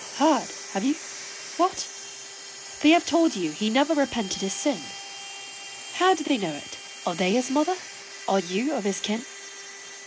Heard, have you? what? they have told you he never repented his sin. How do they know it? are they his mother? are you of his kin?